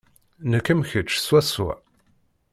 Nekk am kečč swaswa.